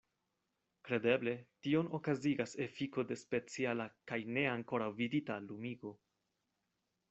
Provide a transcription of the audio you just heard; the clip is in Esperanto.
Kredeble tion okazigas efiko de speciala kaj ne ankoraŭ vidita lumigo.